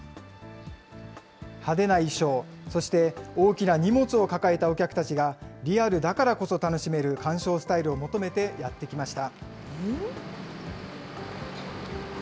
派手な衣装、そして大きな荷物を抱えたお客たちが、リアルだからこそ楽しめる鑑賞スタイルを求めてやって来ました。